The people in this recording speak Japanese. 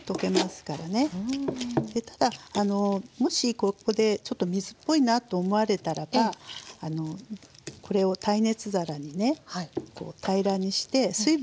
ただもしここでちょっと水っぽいなと思われたらばこれを耐熱皿にね平らにして水分を飛ばすといいんですねレンジで。